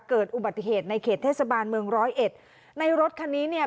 เกิดอุบัติเหตุในเขตเทศบาลเมืองร้อยเอ็ดในรถคันนี้เนี่ย